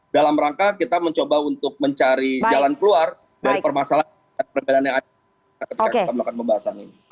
dalam rangka kita mencoba untuk mencari jalan keluar dari permasalahan perbedaan yang ada ketika kita melakukan pembahasan ini